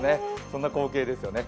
そんな光景ですよね。